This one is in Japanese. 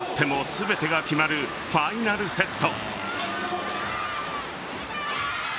そして、泣いても笑っても全てが決まるファイナルセット。